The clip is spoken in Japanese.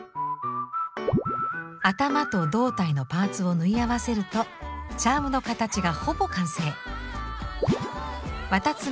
頭と胴体のパーツを縫い合わせるとチャームの形がほぼ完成。